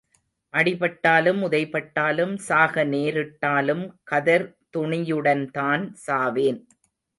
அடிபட்டாலும் உதைபட்டாலும் சாக நேரிட்டாலும் கதர் துணியுடன்தான் சாவேன்.